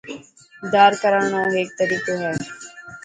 ڌار ڪرڻ رو هيڪ طريقو هي.